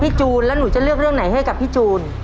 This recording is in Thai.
จูนแล้วหนูจะเลือกเรื่องไหนให้กับพี่จูน